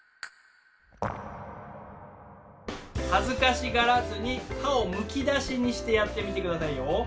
恥ずかしがらずに歯をむき出しにしてやってみて下さいよ。